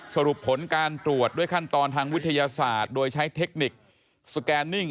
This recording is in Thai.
สรุปผลการตรวจด้วยขั้นตอนทางวิทยาศาสตร์โดยใช้เทคนิคสแกนนิ่ง